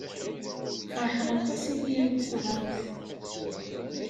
Feṛḥeɣ aṭas imi ay d-teɣramt.